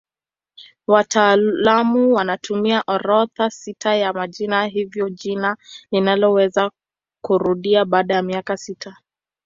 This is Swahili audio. Wataalamu wanatumia orodha sita ya majina hivyo jina linaweza kurudia baada ya miaka sita.